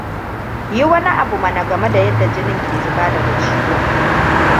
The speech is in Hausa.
Yi wani abu mana game da yadda jinin ke zuba daga ciwon.